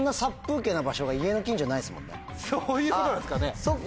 そういうことですかね？